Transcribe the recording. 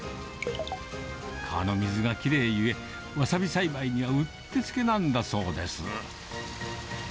川の水がきれいゆえ、ワサビ栽培にはうってつけなんだそうです。